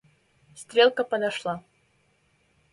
Стрелка подошла.